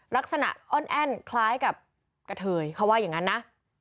ลักษณะอ้อนแอ้นคล้ายกับกะเทยเขาว่าอย่างนั้นนะ